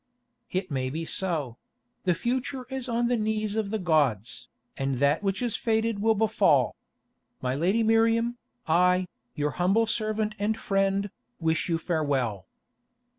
"It may be so; the future is on the knees of the gods, and that which is fated will befall. My Lady Miriam, I, your humble servant and friend, wish you farewell."